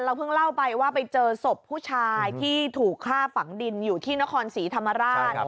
เพิ่งเล่าไปว่าไปเจอศพผู้ชายที่ถูกฆ่าฝังดินอยู่ที่นครศรีธรรมราช